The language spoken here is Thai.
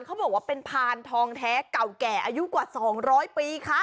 เขาบอกว่าเป็นพานทองแท้เก่าแก่อายุกว่า๒๐๐ปีค่ะ